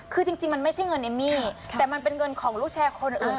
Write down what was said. เขาก็จะได้รับเงินของเขาคืน